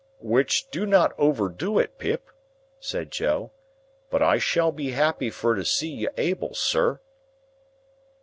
"Which do not overdo it, Pip," said Joe; "but I shall be happy fur to see you able, sir."